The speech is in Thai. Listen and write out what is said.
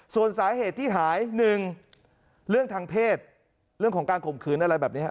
ส่วนสาเหตุที่หาย๑เรื่องทางเพศเรื่องของการข่มขืนอะไรแบบนี้ฮะ